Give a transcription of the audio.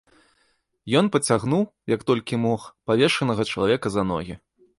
Ён пацягнуў, як толькі мог, павешанага чалавека за ногі.